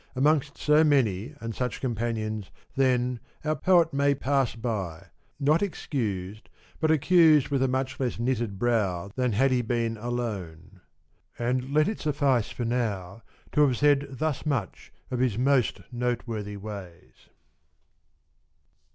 Amongst so many and such companions, then, our poet may pass by, not excused, but accused with a much less knitted brow than had he been alone. And let it suffice for now to have said thus much of his most noteworthy ways.